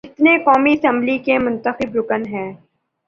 جتنے قومی اسمبلی کے منتخب رکن ہیں۔